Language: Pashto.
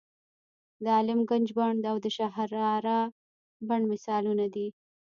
د عالم ګنج بڼ او د شهرارا بڼ مثالونه دي.